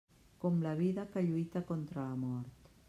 Com la vida que lluita contra la mort.